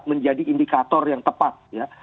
menjadi indikator yang tepat